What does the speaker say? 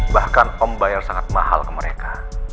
bahkan om bayar sangat mahal ke mereka